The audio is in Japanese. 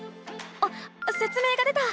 あっせつ明が出た！